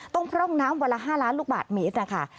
ต้องพร่องน้ำเวลา๕ล้านลูกบาทเมตรนะคะ